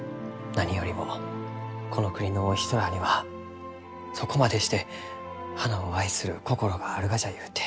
何よりもこの国のお人らあにはそこまでして花を愛する心があるがじゃゆうて。